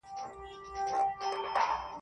زرغون زما لاس كي ټيكرى دی دادی در به يې كړم~